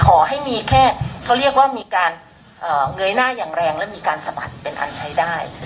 ขอให้มีแค่เขาเรียกว่ามีการเงยหน้าอย่างแรงและมีการสะบัดเป็นอันใช้ได้